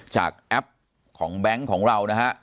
แอปของแบงค์ของเรานะฮะ